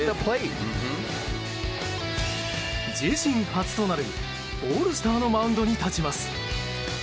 自身初となるオールスターのマウンドに立ちます。